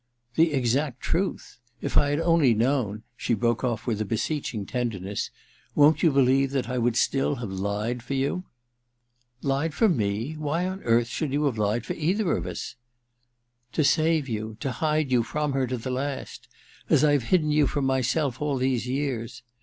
* The exact truth. If I had only known,* she broke off with a beseeching tenderness, * won*t you believe that I would still have lied for you }Lied for me ? Why on earth should you have lied for either of us ^'* To save you — to hide you from her to the last ! As I've hidden you from myself all these years